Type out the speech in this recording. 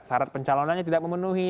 sarat pencalonannya tidak memenuhi